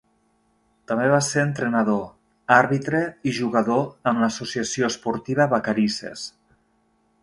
També va ser entrenador, àrbitre i jugador amb l'Associació Esportiva Vacarisses.